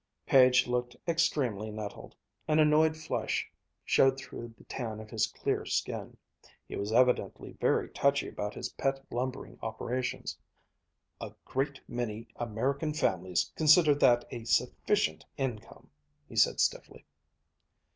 Page looked extremely nettled. An annoyed flush showed through the tan of his clear skin. He was evidently very touchy about his pet lumbering operations. "A great many American families consider that a sufficient income," he said stiffly.